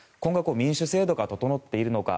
民主制度が整っているのか。